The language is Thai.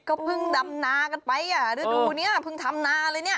ก็เพิ่งดำลากันไปดูนี่เพิ่งทำลาเลย